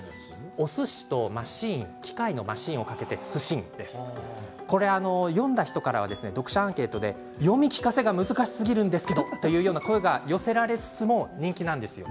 すしと機械のマシンをかけて「すしん」です。読んだ人からは読者アンケートで読み聞かせが難しすぎるという声が寄せられつつも人気なんですよ。